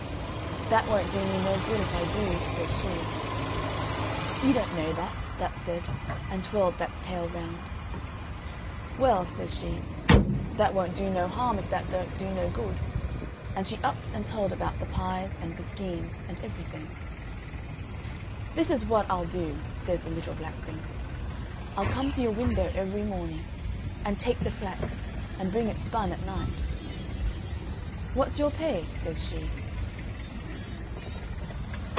"That won't do me no good if I do," says she. "You don't know that," that said, and twirled that's tail round. "Well," says she, "that won't do no harm, if that don't do no good," and she upped and told about the pies, and the skeins, and everything. "This is what I'll do," says the little black thing, "I'll come to your window every morning and take the flax and bring it spun at night." "What's your pay?" says she.